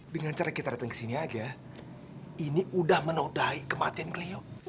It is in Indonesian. dengan cara kita datang kesini aja ini udah menodai kematian cleo